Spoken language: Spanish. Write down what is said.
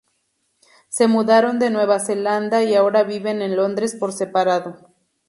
Se mudaron de Nueva Zelanda y ahora viven en Londres por separado.